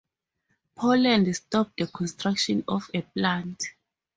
Poland stopped the construction of a plant.